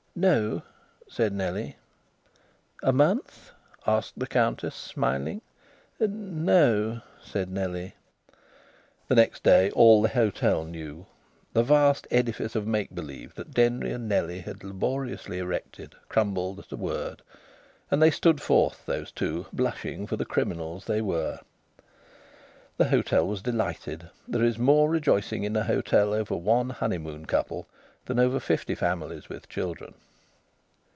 "No," said Nellie. "A month?" asked the Countess, smiling. "N no," said Nellie. The next day all the hotel knew. The vast edifice of make believe that Denry and Nellie had laboriously erected crumbled at a word, and they stood forth, those two, blushing for the criminals they were. The hotel was delighted. There is more rejoicing in a hotel over one honeymoon couple than over fifty families with children.